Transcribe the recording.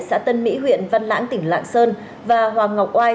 xã tân mỹ huyện văn lãng tỉnh lạng sơn và hoàng ngọc oai